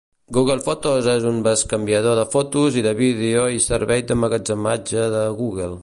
Google Fotos és un bescanviador de fotos i de vídeo i servei d'emmagatzematge de Google.